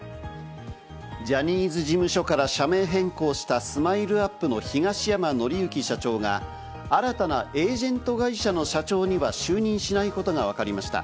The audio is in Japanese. ジャニーズ事務所から社名変更したＳＭＩＬＥ‐ＵＰ．の東山紀之社長が新たなエージェント会社の社長には就任しないことがわかりました。